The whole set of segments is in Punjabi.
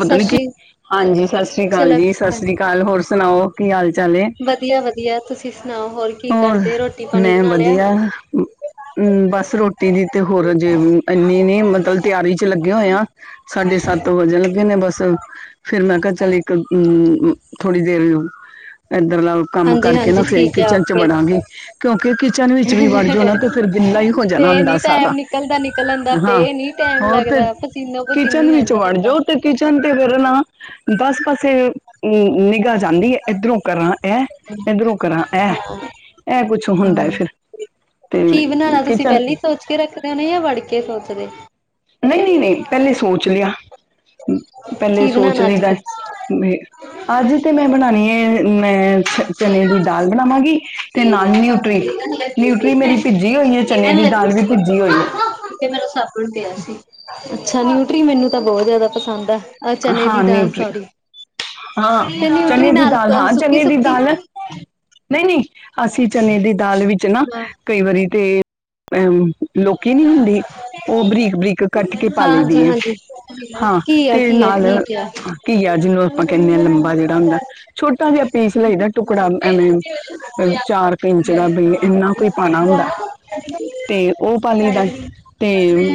ਪਤਾ ਸਤਿ ਨੀ ਕੀ, ਸ਼੍ਰੀ ਹਾਂਜੀ ਸਤਿ ਸ੍ਰੀ ਅਕਾਲ ਚਲੋ ਜੀ, ਸਤਿ ਸ੍ਰੀ ਅਕਾਲ, ਹੋਰ ਸੁਣਾਓ ਕੀ ਹਾਲ ਚਾਲ ਏ ਵਧੀਆ-ਵਧੀਆ ਤੁਸੀਂ ਸੁਣਾਓ। ਕੀ ਹੋਰ ਕਰਦੇ ਰੋਟੀ ਪਾਣੀ ਮੈਂ ਬਣਾ ਲਿਆ ਵਧੀਆ। ਹੂੰ, ਬਸ ਰੋਟੀ ਦੀ ਤੇ ਹੋਰ ਅਜੇ ਇੰਨੀ ਨੀ ਮਤਲਬ ਤਿਆਰੀ ਚ ਲੱਗੇ ਹੋਏ ਆ, ਸਾਡੇ ਸੱਤ ਵੱਜਣ ਲੱਗੇ ਨੇ ਬਸ ਫੇਰ ਮੈਂ ਕਿਹਾ ਚੱਲ ਇੱਕ ਮ ਥੋੜ੍ਹੀ ਦੇਰ ਇਧਰਲਾ ਕੰਮ ਹਾਂਜੀ ਕਰਕੇ ਨਾ ਹਾਂਜੀ ਫੇਰ ਠੀਕ ਆ ਕਿਚਨ ਓਕੇ ਵੜਾਂਗੀ ਕਿਉਂਕਿ ਕਿਚਨ ਵਿੱਚ ਵੀ ਵੜ ਜੋ ਨਾ ਤੇ ਫੇਰ ਗਿੱਲਾ ਹੀ ਹੋ ਜਾਨਾ ਤੇ ਹੁੰਦਾ ਨੀ ਸਾਰਾ। ਟਾਈਮ ਨਿਕਲਦਾ ਨਿਕਲਣ ਦਾ ਹਾਂ ਤੇ ਨੀ ਟਾਈਮ ਹੋਰ ਤੇ ਲੱਗਦਾ ਪਸੀਨੋ ਕਿਚਨ ਪਸੀਨੀ ਹੋ ਵਿੱਚ ਜਾਂਦਾ ਵੜ ਬੰਦਾ ਜਾਓ ਤੇ ਕਿਚਨ ਤੇ ਫੇਰ ਨਾ ਪਾਸ ਪਾਸੇ [unintelligible] ਨਿਗਾਹ ਜਾਂਦੀ ਐ ਏਧਰੋਂ ਕਰਾਂ ਇਹ, ਏਧਰੋਂ ਕਰਾਂ ਹੈ, ਇਹ ਕੁੱਛ ਹੁੰਦਾ ਹੈ ਫੇਰ। ਕੀ ਬਨਾਨਾ ਤੁਸੀਂ ਪਹਿਲਾਂ ਹੀ ਸੋਚ ਕੇ ਰੱਖਦੇ ਨੇ ਜਾਂ ਵੜਕੇ ਸੋਚਦੇ? ਨਹੀਂ, ਨਹੀਂ, ਨਹੀਂ ਪਹਿਲੇ ਸੋਚ ਲਿਆ। ਪਹਿਲੇ ਕੀ ਸੋਚ ਬਣਾਉਣਾ ਅੱਜ ਲਈਦਾ, ਫਿਰ [unintelligible] ਅੱਜ ਤੇ ਮੈਂ ਬਨਾਨੀ ਏ ਮੈਂ ਚਨੇ ਦੀ ਦਾਲ ਬਨਾਵਾਂਗੀ। [unintelligible] ਮੇਰੀ ਭਿੱਜੀ ਹੋਈ ਹੈ ਚਨੇ ਦੀ ਦਾਲ ਵੀ ਭਿੱਜੀ ਹੋਈ ਹੈ ਅੱਛਾ, ਨਿਊਟਰੀ ਮੈਨੂੰ ਤਾਂ ਬਹੁਤ ਜਿਆਦਾ ਪਸੰਦ ਐ। ਅਹ ਚਨੇ ਦੀ ਹਾਂ ਦਾਲ ਨਿਊਟਰੀ ਸੋਰੀ। ਹਾਂ ਤੇ ਨਿਊਟਰੀ ਚਨੇ ਦੀ ਨਾਲ ਦਾਲ ਸੁੱਕੀ-ਸੁੱਕੀ ਨਹੀਂ-ਨਹੀਂ ਅਸੀਂ ਚਨੇ ਦੀ ਦਾਲ ਵਿੱਚ ਨਾ ਕਈ ਵਾਰੀ ਤੇ ਅ ਲੋਕੀ ਨਹੀਂ ਹੁੰਦੀ ਉਹ ਬਰੀਕ ਬਰੀਕ ਕੱਟ ਕੇ ਪਾ ਹਾਂਜੀ ਲਈਦੀ ਏ। ਹਾਂਜੀ ਹਾਂ, ਘੀਆ ਤੇ ਘੀਆ ਨਾਲ ਠੀਕ ਆ ਘਿਆ ਜਿਹਨੂੰ ਕਹਨੇ ਆ ਲੰਬਾ ਜਿਹੜਾ ਹੁੰਦਾ ਛੋਟਾ ਜਿਹਾ ਪੀਸ ਲਈਦਾ ਟੁਕੜਾ ਐਵੇਂ ਚਾਰ [unintelligible] ਜਿਹੜਾ ਵੀ ਇੰਨਾ ਕੋਈ ਪਾਣਾ ਹੁੰਦਾ ਤੇ ਉਹ ਪਾਲ ਲਈ ਦਾ। ਤੇ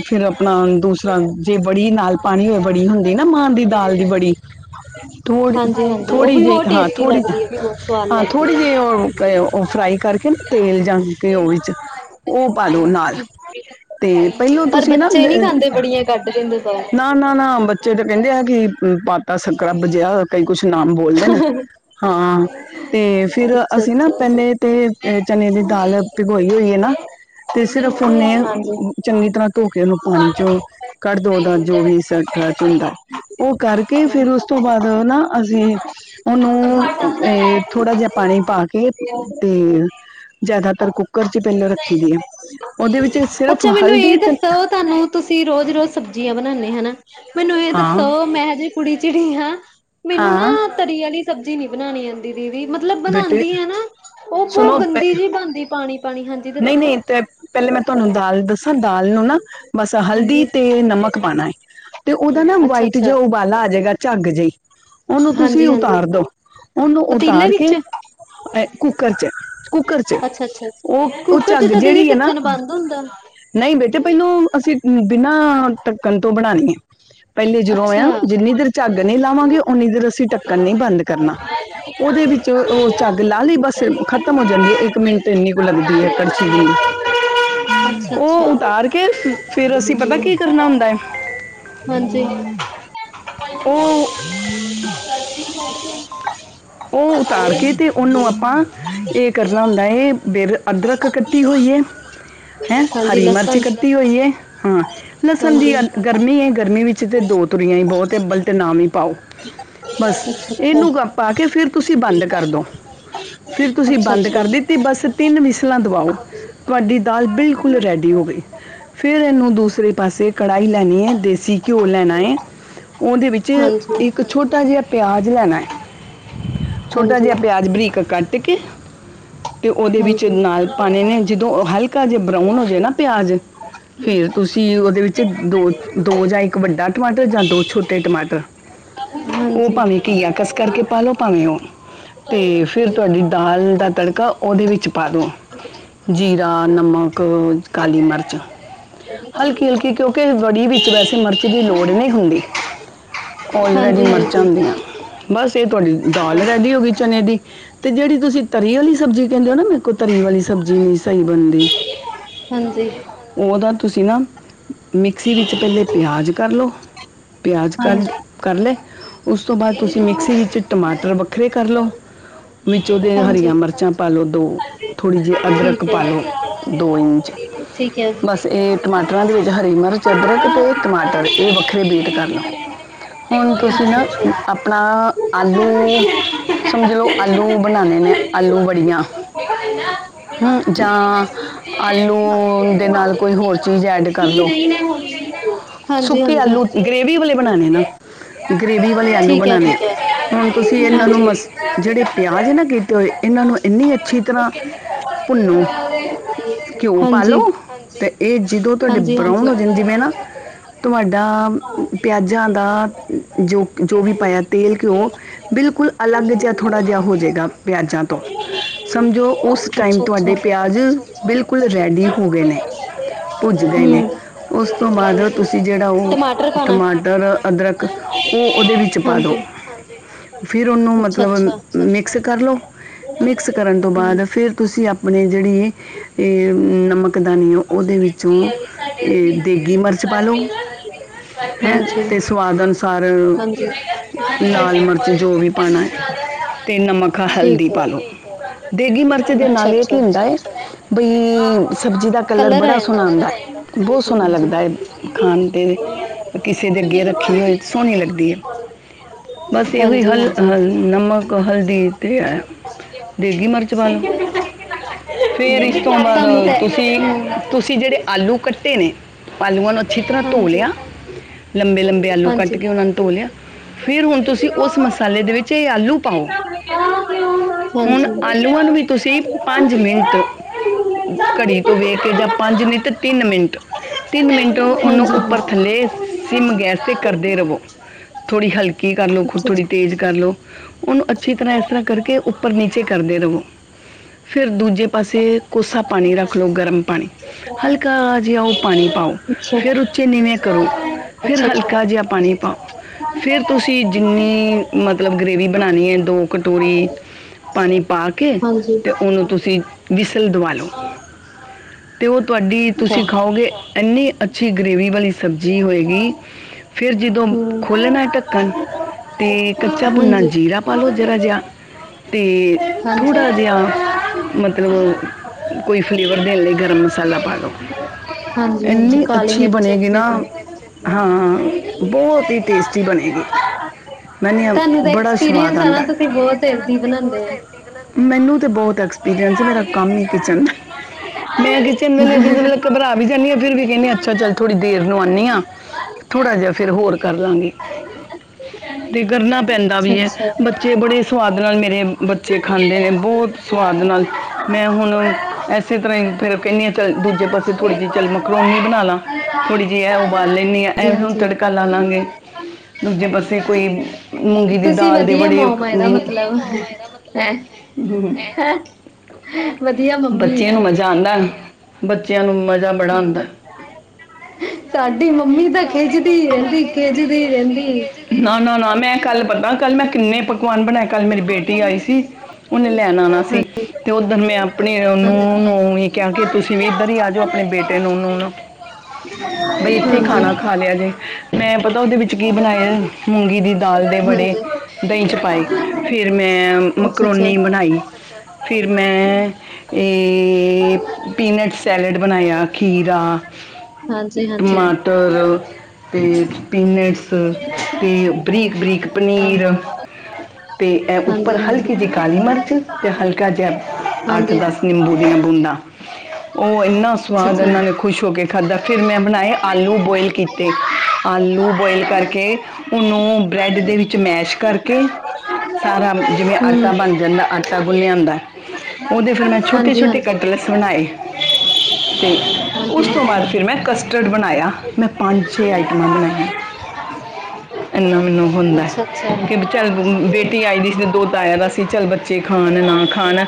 ਫੇਰ ਅਪਨਾ ਦੂਸਰਾ ਜੇ ਬੜੀ ਨਾਲ ਪਾਨੀ ਹੋਵੇ ਬੜੀ ਹੁੰਦੀ ਨਾ ਮਾਂ ਦੀ ਦਾਲ ਦੀ ਬੜੀ। ਅੱਛਾ ਜੀ। ਥੋੜ੍ਹੀ, ਥੋੜ੍ਹੀ ਜਿਹੀ ਹਾਂ ਥੋੜ੍ਹੀ ਹੈ ਉਹ ਵੀ ਬਹੁਤ ਸਵਾਦ ਹਾਂ ਲੱਗਦੀ ਥੋੜ੍ਹੀ ਜਿਹੀ ਉਹ ਉਹ ਫਰਾਈ ਕਰਕੇ ਨਾ ਤੇਲ ਜਾਂ ਘਿਓ ਵਿੱਚ ਉਹ ਪਾ ਦੋ ਨਾਲ। ਤੇ ਪਹਿਲੋਂ ਪਰ ਤੁਸੀਂ ਨਾ, ਬੱਚੇ ਨੀ ਖਾਂਦੇ ਬੜੀਆਂ ਕੱਢ ਦਿੰਦੇ ਬਾਹਰ ਨਾ, ਨਾ, ਨਾ ਬੱਚੇ ਤਾਂ ਕਹਿਣਗੇ ਕਿ ਪਾਤਾ [unintelligible] ਕਈ ਕੁਛ ਨਾਮ ਬੋਲਦੇ ਨੇ। ਹਾਂ ਤੇ ਫਿਰ ਅੱਛਾ ਅਸੀਂ ਨਾ ਅੱਛਾ ਪਹਿਲੇ ਤੇ ਚਨੇ ਦੀ ਦਾਲ ਭੀਗੋਈ ਹੋਈ ਹੈ ਨਾ ਤੇ ਸਿਰਫ ਫੋਨੇ ਚੰਗੀ ਤਰ੍ਹਾਂ ਧੋ ਕੇ ਉਹਨੂੰ ਪਾਣੀ ਚ ਕੱਢ ਦੋ ਉਹਦਾ ਜੋ ਵੀ ਸਟਾ ਚ ਹੁੰਦਾ। ਉਹ ਕਰਕੇ ਫੇਰ ਉਸ ਉਸ ਤੋਂ ਬਾਅਦ ਨਾ ਅਸੀਂ ਉਹਨੂੰ ਅ ਥੋੜਾ ਜਿਹਾ ਪਾਣੀ ਪਾ ਕੇ ਹਾਂਜੀ ਹੂੰ, ਜਿਆਦਾਤਰ ਕੁੱਕਰ ਚ ਪਹਿਲਾਂ ਰੱਖੀ ਦੀ ਐ। ਅੱਛਾ, ਮੈਨੂੰ ਇਹ ਦੱਸੋ ਤੁਹਾਨੂੰ ਤੁਸੀਂ ਰੋਜ਼ ਰੋਜ਼ ਸਬਜ਼ੀ ਘਿਆ ਬਨਾਨੇ ਹਨਾ, ਮੈਨੂੰ ਇਹ ਹਾਂ ਦੱਸੋ ਮੈਂ ਹਜੇ ਕੁੜੀ ਚਿੜੀ ਹਾਂ। ਮੈਨੂੰ ਹਾਂ ਨਾ ਤਰੀ ਆਲੀ ਸਬਜ਼ੀ ਨੀ ਬਨਾਣੀ ਆਂਦੀ। ਵੀ ਮਤਲਬ ਬੇਟੇ ਬਨਾਂਦੀ ਆਂ ਨਾ ਉਹ ਸੁਣੋ ਬਹੁਤ ਗੰਦੀ ਜਿਹੀ ਬਨਦੀ ਪਾਣੀ-ਪਾਣੀ ਹਾਂਜੀ ਨਹੀਂ ਦੱਸੋ। ਨਹੀਂ ਤੇ ਪਹਿਲੇ ਮੈਂ ਤੁਹਾਨੂੰ ਦਾਲ ਦੱਸਾਂ ਦਾਲ ਨੂੰ ਨਾ ਬਸ ਹਲਦੀ ਹਾਂਜੀ ਤੇ ਨਮਕ ਪਾਨਾ ਐ। ਤੇ ਉਹਦਾ ਨਾ ਵਾਈਟ ਅੱਛਾ-ਅੱਛਾ ਜੋ ਉਬਾਲਾ ਆ ਜਾਏਗਾ, ਝੱਗ ਜਿਹੀ ਉਹਨੂੰ ਤੁਸੀਂ ਹਾਂਜੀ-ਹਾਂਜੀ ਉਤਾਰ ਦੋ। ਉਹਨੂੰ ਪਤੀਲੇ ਉਤਾਰ ਕੇ ਵਿੱਚ ਅ ਕੂਕਰ ਚ, ਕੁੂਕਰ ਚ ਅੱਛਾ-ਅੱਛਾ ਉਹ ਉਹ ਕੁੱਕਰ ਚ ਝੱਗ ਤਾਂ ਦੀਦੀ ਜਿਹੜੀ ਏ ਨਾ ਢੱਕਣ ਬੰਦ ਹੁੰਦਾ। ਨਹੀਂ ਬੇਟੇ ਪਹਿਲੋਂ ਅਸੀਂ ਬਿਨਾਂ ਢੱਕਣ ਤੋਂ ਬਨਾਨੀ ਐ। ਪਹਿਲੇ ਜਦੋਂ ਅੱਛਾ, ਆ ਜਿੰਨੀ ਦੇਰ ਝੱਗ ਨਹੀਂ ਲਾਵਾਂਗੇ, ਉਨੀ ਦੇਰ ਅਸੀਂ ਢੱਕਣ ਨਹੀਂ ਬੰਦ ਕਰਨਾ। ਉਹਦੇ ਵਿੱਚ ਉਹ ਝੱਗ ਲਾ ਲਈ ਬੱਸ ਖ਼ਤਮ ਹੋ ਜਾਂਦੀ ਏ, ਇੱਕ ਮਿੰਟ ਇੰਨੀ ਕੁ ਲੱਗਦੀ ਏ। [unintelligible] ਉਹ ਅੱਛਾ-ਅੱਛਾ ਉਤਾਰ ਕੇ ਫੇਰ ਅਸੀਂ ਪਤਾ ਕੀ ਕਰਨਾ ਹੁੰਦਾ ਏ? ਹਾਂਜੀ। ਉਹ ਉਹ ਉਤਾਰ ਕੇ ਤੇ ਉਹਨੂੰ ਆਪਾਂ ਇਹ ਕਰਨਾ ਹੁੰਦਾ ਏ ਫਿਰ ਅਦਰਕ ਕੱਟੀ ਹੋਈਏ ਹੈਂ ਹਰੀ ਮਿਰਚ ਲਸਣ ਕੱਟੀ ਹੋਈ ਏ, ਹਾਂ। ਲਸਣ ਦੀ ਹਾਂਜੀ ਅ ਗਰਮੀ ਏ, ਗਰਮੀ ਵਿੱਚ ਤੇ ਦੋ ਤੁਰੀਆਂ ਹੀ ਬਹੁਤ ਅਬਲ ਤੇ ਨਾ ਹੀ ਪਾਓ। ਬਸ ਅੱਛਾ-ਅੱਛਾ, ਇਹਨੂੰ ਪਾ ਕੇ ਫਿਰ ਤੁਸੀਂ ਬੰਦ ਕਰਦੋ। ਫਿਰ ਤੁਸੀਂ ਬੰਦ ਅੱਛਾ-ਅੱਛਾ, ਕਰ ਦਿੱਤੀ, ਬਸ ਤਿੰਨ ਵਿਸਲਾਂ ਤੋਂ ਵਾਹੋ! ਤੁਹਾਡੀ ਦਾਲ ਬਿਲਕੁਲ ਰੈਡੀ ਹੋ ਗਈ। ਫੇਰ ਇਹਨੂੰ ਦੂਸਰੇ ਪਾਸੇ ਕੜਾਹੀ ਲੈਣੀ ਏ, ਦੇਸੀ ਘਿਓ ਲੈਣਾ ਏ। ਉਹਦੇ ਵਿੱਚ ਹਾਂਜੀ। ਇੱਕ ਛੋਟਾ ਜਿਹਾ ਪਿਆਜ ਲੈਣਾ ਏ। ਛੋਟਾ ਹਾਂਜੀ, ਜਿਹਾ ਪਿਆਜ ਬਰੀਕ ਕੱਟ ਕੇ ਤੇ ਉਹਦੇ ਵਿੱਚ ਹਾਂਜੀ, ਨਾਲ ਪਾਣੇ ਜਦੋਂ ਹਲਕਾ ਜੇ ਬਰਾਊਨ ਹੋਜੇ ਨਾ ਪਿਆਜ ਫਿਰ ਤੁਸੀਂ ਉਹਦੇ ਵਿੱਚ ਦੋ -ਦੋ ਜਾਂ ਇੱਕ ਵੱਡਾ ਟਮਾਟਰ ਜਾਂ ਦੋ ਛੋਟੇ ਟਮਾਟਰ ਉਹ ਹਾਂਜੀ, ਭਾਵੇਂ ਘੀਆ ਕਸ ਕਰਕੇ ਪਾ ਲਓ ਭਾਵੇਂ ਇਓਂ। ਤੇ ਫਿਰ ਤੁਹਾਡੀ ਦਾਲ ਦਾ ਤੜਕਾ ਉਹਦੇ ਵਿੱਚ ਪਾ ਦੋ। ਜੀਰਾ, ਨਮਕ, ਕਾਲੀ ਮਿਰਚ, ਹਲਕੀ -ਹਲਕੀ ਕਿਉਂਕਿ ਬੜੀ ਵਿੱਚ ਵੈਸੇ ਮਿਰਚ ਦੀ ਲੋੜ ਨਹੀਂ ਹੁੰਦੀ। ਔਲਰੇਡੀ ਹਾਂਜੀ, ਮਿਰਚਾਂ ਹਾਂਜੀ। ਹੁੰਦੀਆਂ, ਬਸ ਇਹ ਤੁਹਾਡੀ ਦਾਲ ਰੈਡੀ ਹੋ ਗਈ ਚਨੇ ਦੀ। ਤੇ ਜਿਹੜੀ ਤੁਸੀਂ ਤਰੀ ਵਾਲੀ ਸਬਜੀ ਕਹਿੰਦੇ ਹੋ ਨਾ ਮੇਰੇ ਕੋਲ ਤਰੀ ਵਾਲੀ ਸਬਜ਼ੀ ਨਹੀਂ ਸਹੀ ਬਣਦੀ, ਹਾਂਜੀ, ਉਹਦਾ ਤੁਸੀਂ ਨਾ ਮਿਕਸੀ ਵਿੱਚ ਪਹਿਲੇ ਪਿਆਜ਼ ਕਰ ਲਉ। ਪਿਆਜ ਕਰ- ਹਾਂਜੀ, ਕਰ ਲੈ ਉਸ ਤੋਂ ਬਾਅਦ ਤੁਸੀਂ ਮਿਕਸੀ ਵਿੱਚ ਟਮਾਟਰ ਵੱਖਰੇ ਕਰ ਲਓ, ਵਿੱਚ ਉਹਦੇ ਹਾਂਜੀ। ਹਰੀਆਂ ਮਿਰਚਾਂ ਪਾ ਪਾ ਲਓ ਦੋ ਥੋੜ੍ਹੀ ਜਿਹੀ ਅਦਰਕ ਠੀਕ ਐ, ਪਾ ਲਉ, ਦੋ ਇੰਚ ਠੀਕ ਐ। ਬਸ ਇਹ ਟਮਾਟਰਾਂ ਦੇ ਵਿੱਚ ਹਰੀ ਮਿਰਚ, ਅਦਰਕ ਤੇ ਟਮਾਟਰ ਇਹ ਵੱਖਰੇ ਬੀਟ ਕਰ ਲਉ। ਹੁਣ ਤੁਸੀਂ ਨਾ ਆਪਣਾ ਆਲੂ ਅੱਛਾ-ਅੱਛਾ। ਸਮਝ ਲਓ, ਆਲੂ ਬਣਾਣੇ ਨੇ ਨੇ ਆਲੂ ਵੜੀਆਂ ਜਾਂ ਆਲੂ ਦੇ ਨਾਲ ਕੋਈ ਹੋਰ ਚੀਜ਼ ਐਡ ਕਰ ਕੀ ਲਓ। ਨਹੀਂ ਮੈਂ ਹੋਲੀ ਨੀ ਮਨਾਉਣੀ। ਹਾਂਜੀ ਸੁੱਕੀ ਹਾਂਜੀ। ਆਲੂ, ਗ੍ਰੇਵੀ ਵਾਲੇ ਬਣਾਣੇ ਨਾ। ਗਰੇਵੀ ਵਾਲੇ ਆਲੂ ਠੀਕ ਹੈ ਬਣਾਣੇ ਆ, ਠੀਕ ਹੈ ਹੁਣ ਤੁਸੀਂ ਇਹਨਾਂ ਨੂੰ ਹਾਂਜੀ। ਮਸ ਜਿਹੜੇ ਪਿਆਜ ਨਾ ਕੀਤੇ ਹੋਏ ਇਹਨਾਂ ਨੂੰ ਇੰਨੀ ਅੱਛੀ ਤਰ੍ਹਾਂ ਭੁੰਨੋ [unintelligible] ਘਿਓ ਹਾਂਜੀ ਪਾਲੋ ਤੇ ਇਹ ਜਦੋਂ ਤੁਹਾਡੇ ਹਾਂਜੀ ਬਰਾਊਨ ਹਾਂਜੀ। ਹੋ ਜਾਣ ਜਿਵੇਂ ਨਾ ਤੁਹਾਡਾ ਪਿਆਜਾਂ ਦਾ ਜੋ- ਜੋ ਵੀ ਪਾਇਆ ਤੇਲ, ਘਿਓ ਬਿਲਕੁਲ ਅਲੱਗ ਜਿਹਾ ਥੋੜਾ ਜਿਹਾ ਹੋਜੇਗਾ, ਪਿਆਜਾਂ ਤੋਂ ਸਮਝੋ ਉਸ ਅੱਛਾ ਅੱਛਾ ਤੁਹਾਡੇ ਪਿਆਜ ਬਿਲਕੁਲ ਰੈਡੀ ਹੋ ਗਏ ਨੇ, ਭੁੱਜ ਗਏ ਨੇ। ਹਮ ਉਸ ਤੋਂ ਬਾਅਦ ਤੁਸੀਂ ਜਿਹੜਾ ਉਹ ਟਮਾਟਰ ਪਾਣਾ ਟਮਾਟਰ, ਅਦਰਕ ਉਹ ਉਹਦੇ ਵਿੱਚ ਪਾ ਦੋ। ਹਾਂਜੀ ਫਿਰ ਉਹਨੂੰ ਅੱਛਾ ਮਤਲਬ ਅੱਛਾ ਮਿਕਸ ਕਰਲੋ, ਮਿਕਸ ਕਰਨ ਤੋਂ ਬਾਅਦ ਫੇਰ ਤੁਸੀਂ ਅਸੀਂ ਆਪਣੇ ਜਿਹੜੀ ਇਹ ਨਮਕ ਦਾਨੀ ਐ ਉਹਦੇ ਵਿੱਚੋਂ ਹਮ ਇਹ ਦੇਗੀ ਮਿਰਚ ਪਾ ਲੋ ਹੈਂ ਤੇ ਅਤੇ ਹਾਂਜੀ ਸਵਾਦ ਅਨੁਸਾਰ ਹਾਂਜੀ। ਲਾਲ ਮਿਰਚ ਜੋ ਵੀ ਪਾਣਾ ਤੇ ਨਮਕ ਹਲਦੀ ਠੀਕ ਪਾਲੋ। [unintelligible] ਇਹਦੇ ਨਾਲ ਇਹ ਕੀ ਅੱਛਾ। ਹੁੰਦਾ ਹੈ ਬਈ ਸਬਜ਼ੀ ਦਾ ਕਲਰ ਆ ਬੜਾ ਸੋਹਣਾ ਜਾਂਦਾ। ਹੁੰਂਦਾ ਬਹੁਤ ਹਾਂਜੀ ਸੋਹਣਾ ਹਾਂਜੀ। ਲੱਗਦਾ ਹੈ ਖਾਣ ਤੇ ਕਿਸੇ ਦੇ ਅੱਗੇ ਰੱਖੀ ਹੋਈ ਸੋਹਣੀ ਲੱਗਦੀ ਐ, ਬਸ ਇਹੋ ਹੀ ਹਾਂਜੀ ਹਲ ਹਾਂਜੀ। ਨਮਕ ਹਲਦੀ ਤੇ ਦੇਗੀ ਮਿਰਚ ਪਾ ਲਓ, ਫੇਰ ਇਸ ਤੋਂ ਬਾਅਦ ਤੁਹਾਨੂੰ ਤੇ ਤੁਸੀਂ ਹਮ ਤੁਸੀਂ ਜਿਹੜੇ ਆਲੂ ਕੱਟੇ ਨੇ ਆਲੂਆਂ ਨੂੰ ਅੱਛੀ ਤਰ੍ਹਾਂ ਧੋ ਹਾਂਜੀ, ਹਾਂਜੀ। ਲਿਆ। ਲੰਬੇ -ਲੰਬੇ ਆਲੂ ਕੱਟ ਹਾਂਜੀ। ਕੇ ਉਹਨਾਂ ਨੂੰ ਧੋ ਲਿਆ। ਫਿਰ ਹੁਣ ਤੁਸੀਂ ਉਸ ਮਸਾਲੇ ਦੇ ਵਿੱਚ ਇਹ ਆਲੂ ਪਾਓ, ਹੁਣ ਹਾਂਜੀ-ਹਾਂਜੀ। ਆਲੂਆਂ ਨੂੰ ਵੀ ਤੁਸੀਂ ਪੰਜ ਮਿੰਟ ਘੜੀ ਤੋਂ ਵੇਖ ਕੇ ਜਾਂ ਪੰਜ ਮਿੰਟ ਤਿੰਨ ਮਿੰਟ ਤਿੰਨ ਮਿੰਟ ਉਹਨੂੰ ਉੱਪਰ ਥੱਲੇ ਸਿਮ ਗੈਸ ਤੇ ਕਰਦੇ ਰਵੋ। ਥੋੜ੍ਹੀ ਹਲਕੀ ਕਰ ਲਓ, ਖੁ ਥੋੜੀ ਤੇਜ਼ ਕਰ ਲਉ। ਉਹਨੂੰ ਅੱਛੀ ਤਰ੍ਹਾਂ ਇਸ ਤਰ੍ਹਾਂ ਕਰਕੇ ਉੱਪਰ ਨੀਚੇ ਕਰਦੇ ਰਵੋ। ਫਿਰ ਦੂਜੇ ਪਾਸੇ ਕੋਸਾ ਪਾਣੀ ਰੱਖ ਲਓ ਗਰਮ ਪਾਣੀ ਹਲਕਾ ਜਿਹਾ ਉਹ ਪਾਣੀ ਪਾਓ, ਫੇਰ ਉੱਚੇ ਨੀਵੇਂ ਕਰੋ ਅੱਛਾ-ਅੱਛਾ। ਫਿਰ ਹਲਕਾ ਜਿਹਾ ਪਾਣੀ ਪਾਓ। ਫਿਰ ਤੁਸੀਂ ਜਿੰਨੀ ਮਤਲਬ ਗਰੇੇਵੀ ਬਣਾਣੀ ਹੈ ਦੋ ਕਟੋਰੀ ਅੱਛਾ-ਅੱਛਾ। ਪਾਣੀ ਪਾ ਕੇ ਹਾਂਜੀ। ਤੇ ਉਹਨੂੰ ਤੁਸੀਂ ਵਿਸਲ ਦਵਾ ਲਓ ਅੱਛਾ। ਤੇ ਉਹ ਤੁਹਾਡੀ ਤੁਸੀਂ ਖਾਓਗੇ ਇੰਨੀ ਅੱਛੀ ਗਰੇੇਵੀ ਵਾਲੀ ਸਬਜ਼ੀ ਹੋਏਗੀ। ਫਿਰ ਜਦੋਂ ਹੂੰ। ਖੋਲ੍ਹਣਾ ਹੈ ਢੱਕਣ ਅਤੇ ਕੱਚਾ ਭੁੰਨਾ ਹਾਂਜੀ। ਜੀਰਾ ਪਾ ਲਉ ਜ਼ਰਾ ਜਿਹਾ ਤੇ ਹਾਂਜੀ। ਥੋੜਾ ਜਿ ਮਤਲਬ ਕੋਈ ਫਲੇਵਰ ਦੇਣ ਲਈ ਗਰਮ ਮਸਾਲਾ ਪਾ ਲੋ। ਹਾਂਜੀ -ਹਾਂਜੀ ਕਾਲੀ ਮਿਰਚ ਉੱਥੇ ਤੀ [unintelligible] ਹਾਂ ਬਹੁਤ ਹੀ ਟੇਸਟੀ ਬਣੇਗੀ ਮੈਨੂੰ ਤੁਹਾਨੂੰ ਤਾਂ ਬੜਾ ਸਵਾਦ ਐਕਸਪੀਰੀਅੰਸ ਆ ਨਾ ਆਂਦਾ ਤੁਸੀਂ ਬਹੁਤ ਹੈਲਦੀ ਬਣਾਂਦੇ ਐ। ਮੈਨੂੰ ਤਾਂ ਬਹੁਤ ਐਕਸਪੀਰੀਅੰਸ ਐ, ਮੇਰਾ ਕੰਮ ਹੀ ਕਿਚਨ ਦਾ। ਮੈਂ ਕਿਸੇ ਨੂੰ ਕਿਸੇ ਵੇਲੇ ਘਬਰਾ ਵੀ ਜਾਂਦੀ ਹਾਂ, ਫਿਰ ਵੀ ਕਹਿੰਦੀ ਆ ਅੱਛਾ ਚੱਲ ਥੋੜ੍ਹੀ ਦੇਰ ਨੂੰ ਆਂਦੀ ਹਾਂ। ਥੋੜ੍ਹਾ ਜਿਹਾ ਫਿਰ ਹੋਰ ਕਰਲਾਂਗੇ। ਤੇ ਕਰਨਾ ਪੈਂਦਾ ਵੀ ਹੈ ਬੱਚੇ ਬੜੇ ਸਵਾਦ ਨਾਲ ਮੇਰੇ ਬੱਚੇ ਖਾਂਦੇ ਨੇ ਬਹੁਤ ਸਵਾਦ ਨਾਲ ਮੈਂ ਹੁਣ ਇਸੇ ਤਰ੍ਹਾਂ ਹੀ ਫਿਰ ਕਹਿੰਦੀ ਹਾਂ ਚ ਦੂਜੇ ਪਾਸੇ ਥੋੜੀ ਜਿਹੀ ਚਲ ਮਕਰੋਨੀ ਬਣਾਲਾ, ਥੋੜੀ ਜਿਹੀ ਇਹ ਉਬਾਲ ਲੈਂਦੀ ਹਾਂ ਐਂ ਹੁਣ ਤੜਕਾ ਲਾ ਲਾਂਗੇ ਦੂਜੇ ਪਾਸੇ ਕੋਈ ਮੂੰਗੀ ਦੀ ਤੁਸੀਂ ਦਾਲ ਦੇ ਵਧੀਆ ਬੜੇ ਉਹ ਮਮ ਆ ਮ ਇਹਦਾ ਮਤਲਬ ਇਹਦਾ ਮਤਲਬ ਹੈ ਵਧੀਆ ਮੰਮੀ ਬੱਚਿਆਂ ਆ ਨੂੰ ਮਜ਼ਾ ਆਂਦਾ। ਬੱਚਿਆਂ ਨੂੰ ਮਜ਼ਾ ਬੜਾ ਆਂਦਾ। [unintelligible] ਮੰਮੀ ਤਾਂ ਖਿੱਚਦੀ ਰਹਿੰਦੀ ਖਿੱਚਦੀ ਰਹਿੰਦੀ। ਨਾ- ਨਾ -ਨਾ ਮੈਂ ਕੱਲ ਪਤਾ ਕੱਲ ਮੈਂ ਕਿੰਨੇ ਪਕਵਾਨ ਬਣਾਏ, ਕੱਲ੍ਹ ਮੇਰੀ ਬੇਟੀ ਆਈ ਸੀ। ਸੀ ਹਾਂਜੀ-ਹਾਂਜੀ। ਉਹਨੇ ਲੈਣ ਆਣਾ ਸੀ ਤੇ ਉੱਧਰ ਮੈਂ ਆਪਣੇ ਨੂੰਹ ਨੂੰ ਵੀ ਕਿਹਾ ਕਿ ਤੁਸੀਂ ਹਾਂਜੀ। ਵੀ ਇੱਧਰ ਆ ਜਾਓ ਆਪਣੇ ਬੇਟੇ ਨੂੰ ਉਹਨੂੰ- ਉਹਨੂੰ [unintelligible] ਬਈ ਇੱਥੇ ਈ ਖਾਣਾ ਖਾ ਲਿਆ ਜੇ, ਮੈਂ ਪਤਾ ਉਹਦੇ ਵਿੱਚ ਕੀ ਬਣਾਏ? ਮੂੰਗੀ ਦੀ ਦਾਲ ਦੇ ਵੜੇ। ਦਹੀਂ ਚ ਪਾਈ ਹਾਂਜੀ। ਫਿਰ ਮੈਂ ਅੱਛਾ-ਅੱਛਾ। ਮਕਰੋਨੀ ਬਣਾਈ ਫਿਰ ਮੈਂ ਇਹ ਤੇ ਪੀਨਟ ਸੈਲਡ ਬਣਾਇਆ ਖੀਰਾ ਹਾਂਜੀ-ਹਾਂਜੀ। ਟਮਾਟਰ ਤੇ ਪੀਨਏਟਸ ਤੇ ਬਰੀਕ- ਬਰੀਕ ਇਕ ਹਾਂ। ਪਨੀਰ ਤੇ ਇਹ ਹਾਂਜੀ ਉੱਪਰ ਹਲਕੀ ਕਿ ਜੇ ਕਾਲੀ ਮਿਰਚ ਤੇ ਹਲਕਾ ਜਿਹਾ ਅੱਠ ਹਾਂਜੀ ਹਾਂਜੀ ਦਸ ਨਿੰਬੂ ਦੀਆਂ ਬੂੰਦਾਂ। [unintelligible] ਉਹ ਇੰਨਾ ਅੱਛਾ ਸਵਾਦ ਅੱਛਾ ਇਹਨਾਂ ਨੇ ਖੁਸ਼ ਹੋ ਕੇ ਖਾਧਾ, ਫਿਰ ਮੈਂ ਬਣਾਏ ਆਲੂ ਬੋਇਲ ਕੀਤੇ ਆਲੂ ਆਲੂ ਬੋਇਲ ਹਮ ਕਰਕੇ ਉਹਨੂੰ ਬ੍ਰੈਡ ਦੇ ਵਿੱਚ ਮੈਸ਼ ਕਰਕੇ ਸਾਰਾ ਜਿਵੇਂ ਆਟਾ ਬਣ ਬ ਜਾਂਦਾ ਆਟਾ ਗੁੰਨਿਆ ਹੁੰਦਾ, ਉਹਦੇ ਫਿਰ ਮੈਂ ਛੋਟੇ ਹਾਂਜੀ ਛੋਟੇ ਕਟਲਸ ਬਣਾਏ। [unintelligible] ਤੇ ਹਾਂਜੀ ਉਸ ਤੋਂ ਬਾਅਦ ਫਿਰ ਮੈਂ ਕਸਟਰਡ ਬਣਾਇਆ, ਮੈਂ ਪੰਜ ਛੇ ਆਈਟਮਾਂ ਬਣਾਈਆਂ। [unintelligible] ਇੰਨਾ ਮੈਨੂੰ ਹੁੰਦਾ ਅੱਛਾ-ਅੱਛਾ। ਹਾਂਜੀ-ਹਾਂਜੀ। ਕਿ ਚੱਲ ਬੇਟੀ ਆਈ ਦੀ ਸੀ ਤੇ ਦੋਹਤਾ ਆਇਆ ਦਾ ਸੀ। ਚੱਲ ਬੱਚੇ ਖਾਣ ਨਾ ਖਾਣ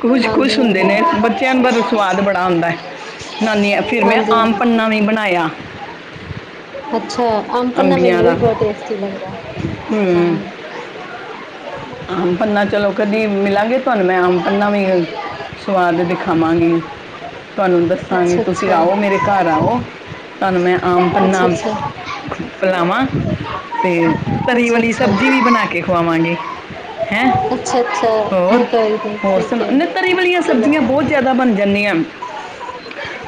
ਖੁਸ਼- ਖੁਸ਼ ਹਾਂਜੀ ਹੁੰਦੇ ਨੇ ਬੱਚੇ ਬੱਚਿਆਂ ਨੂੰ ਸਵਾਦ ਬੜਾ ਹੁੰਦਾ ਨਾਨੀਆਂ ਫਿਰ ਮੈਂ ਹਾਂਜੀ ਹਾਂਜੀ ਆਮ ਹਾਂ। ਭੰਨਾ ਵੀ ਬਣਾਇਆ। [unintelligible] ਅੱਛਾ, ਆਮ ਪੰਨਾ ਅੰਬੀਆਂ ਮੈਨੂੰ ਦਾ ਵੀ ਬਹੁਤ ਟੇਸਟੀ ਲੱਗਦਾ, ਹਮ, ਹਾਂ। ਆਮ ਪੰੰਨਾ ਚਲੋ ਕਦੀ ਮਿਲਾਂਗੇ, ਤੁਹਾਨੂੰ ਮੈਂ ਆਮ ਪੰੰਨਾ ਵੀ ਸੁਆਦ ਦਿਖਾਵਾਂਗੀ। ਤੁਹਾਨੂੰ ਦੱਸਾਂਗੇ, ਤੁਸੀਂ ਅੱਛਾ-ਅੱਛਾ। ਆਓ ਮੇਰੇ ਘਰ ਆਓ, ਤੁਹਾਨੂੰ ਮੈਂ ਆਮ ਪੰਨਾ ਅੱਛਾ। ਪਿਲਾਵਾਂ ਤੇ ਤਰੀ ਵਾਲੀ ਅੱਛਾ-ਅੱਛਾ। ਸਬਜ਼ੀ ਵੀ ਬਣਾ ਕੇ ਖਵਾਵਾਂਗੇ ਹੈਂ ਅੱਛਾ-ਅੱਛਾ ਮ ਹੋਰ ਕੋਈ ਨਹੀਂ, ਹੋਰ ਠੀਕ ਸੁਣਾ ਹੈ ਨਹੀਂ ਤਰੀ ਵਾਲੀਆਂ ਸਬਜ਼ੀਆਂ ਬਹੁਤ ਚਲੋ। ਜ਼ਿਆਦਾ ਬਣ ਜਾਂਦੀਆਂ [inaudible]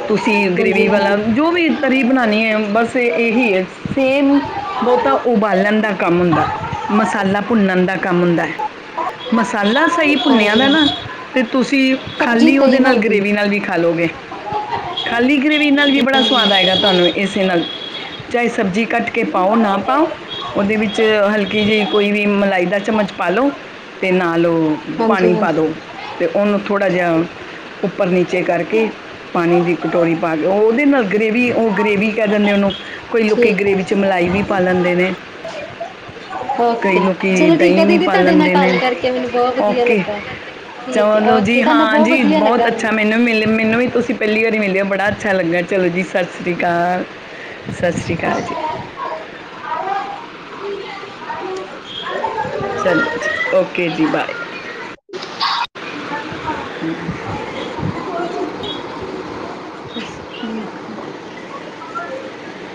ਤੁਸੀਂ ਗਰੇੇਵੀ ਵਾਲਾ ਜੋ ਵੀ ਤਰੀ ਬਣਾਉਣੀ ਹੈ ਹਾਂਜੀ ਬਸ ਇਹ ਇਹੀ ਹੈ ਸੇਮ, ਬਹੁਤਾ ਉਬਾਲਣ ਦਾ ਕੰਮ ਹੁੰਦਾ, ਮਸਾਲਾ ਭੁੰਨਣ ਦਾ ਕੰ ਕੰਮ ਹੁੰਦਾ ਹੈ। [inaudible] ਮਸਾਲਾ ਸਹੀ ਹਾਂਜੀ ਭੁੰਨਿਆ ਹਾਂਜੀ ਦਾ ਹਾਂ ਨਾ, ਤੇ ਤੁਸੀਂ ਸਬਜ਼ੀ ਖਾਲੀ ਤੇਈ ਉਹਦੇ ਨਾਲ ਬਣਦੀ ਗਰੇਵੀ ਨਾਲ ਵੀ ਖਾ ਲਉਗੇ। ਖਾਲੀ ਗਰੇਵੀ ਨਾਲ ਵੀ ਬੜਾ ਸਵਾਦ ਆਏਗਾ ਤੁਹਾਨੂੰ ਇਸੇ ਨਾਲ। ਚਾਹੇ ਸਬਜ਼ੀ ਕੱਟ ਕੇ ਪਾਓ ਨਾ ਪਾਓ, ਹਾਂਜੀ ਉਹਦੇ ਵਿੱਚ ਹਲਕੀ ਜਿਹੀ ਕੋਈ ਵੀ ਮਲਾਈ ਦਾ ਚਮਚ ਪਾ ਲਉ, ਤੇ ਨਾਲ ਪਾਣੀ ਪਾ ਹਾਂਜੀ ਦੋ ਤੇ ਉਹਨੂੰ ਥੋੜ੍ਹਾ ਜਿਹਾ ਉਪ ਚੇ ਕਰਕੇ, ਪਾਣੀ ਦੀ ਕਟੋਰੀ ਪਾ ਕੇ, ਉਹਦੇ ਨਾਲ ਗਰੇਵੀ, ਉਹ ਗਰੇਵੀ ਕਹਿ ਦਿੰਦੇ ਉਹਨੂੰ ਕਈ ਲੋਕੀ ਠੀਕ ਹੈ ਗਰੇਵੀ ਚ ਮਲਾਈ ਵੀ ਪਾ ਲੈਂਦੇ ਨੇ। ਕਈ ਓਕੇ ਲੋਕੀ ਚਲੋ ਠੀਕ ਆ ਦਹੀਂ ਵੀ ਦੀਦੀ ਪਾ ਤੁਹਾਡੇ ਨਾਲ ਲੈਂਦੇ ਨੇ, ਗੱਲ ਕਰਕੇ ਮੈਨੂੰ ਬਹੁਤ ਵਧੀਆ ਓਕੇ। ਲੱਗਾ। ਠੀਕ ਹੈ ਚਲੋ ਓਕੇ ਜੀ, ਤੁਹਾਡੇ ਨਾਲ ਹਾਂ ਬਹੁਤ ਜੀ, ਵਧੀਆ ਬਹੁਤ ਲੱਗਾ ਅੱਛਾ ਮੈਨੂੰ ਮਿਲੇ, ਮੈਨੂੰ ਵੀ ਤੁਸੀਂ ਪਹਿਲੀ ਵਾਰੀ ਮਿਲ ਹੋ। ਬੜਾ ਅੱਛਾ ਲੱਗਾ ਚਲੋ ਜੀ, ਸਤਿ ਸ਼੍ਰੀ ਅਕਾਲ। ਸਤਿ ਸ਼੍ਰੀ ਅਕਾਲ ਜੀ। [unintelligible] ਚਲੋ ਜੀ, ਓਕੇ ਜੀ, ਬਾਏ। [unintelligible] ਹਮ। [unintelligible]